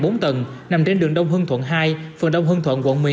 hai căn nhà bốn tầng nằm trên đường đông hưng thuận hai phần đông hưng thuận quận một mươi hai